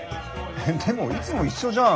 でもいつも一緒じゃん。